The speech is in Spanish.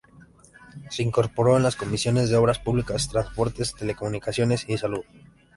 Se incorporó a las comisiones de Obras Públicas, Transportes, Telecomunicaciones y Salud.